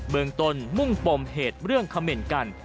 เมืองต้นมุ่งปมเหตุเรื่องเขม่นกัน